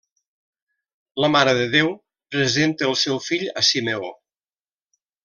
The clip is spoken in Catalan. La Mare de Déu presenta el seu fill a Simeó.